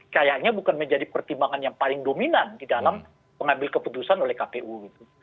kayaknya bukan menjadi pertimbangan yang paling dominan di dalam pengambil keputusan oleh kpu gitu